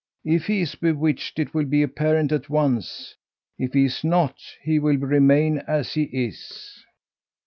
If he is bewitched, it will be apparent at once. If he is not, he will remain as he is."